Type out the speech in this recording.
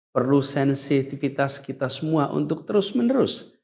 perlu sensitivitas kita semua untuk terus menerus